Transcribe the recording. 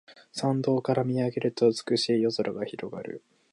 山道から見上げると美しい夜空が広がる